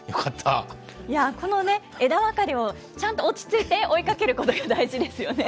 いや、このね、枝分かれをちゃんと落ち着いて追いかけることが大事ですよね。